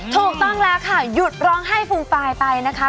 ถูกต้องแล้วค่ะหยุดร้องไห้ฟูมฟายไปนะคะ